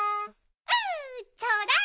ウちょうだい！